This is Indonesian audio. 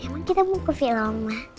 emang kita mau ke villa oma